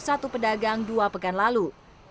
ketiga pedagang yang dinyatakan positif kini telah dilakukan